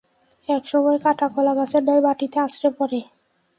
এক সময় কাটা কলাগাছের ন্যায় মাটিতে আঁছড়ে পড়ে।